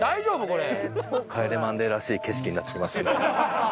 『帰れマンデー』らしい景色になってきましたね。